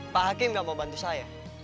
pak hakim gak mau bantu saya